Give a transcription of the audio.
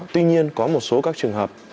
tuy nhiên có một số các trường hợp